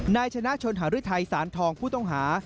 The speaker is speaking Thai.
นายชนะชนหารือไทยสารทองผู้ต้องหา